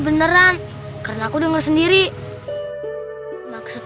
beneran karena aku denger sendiri maksud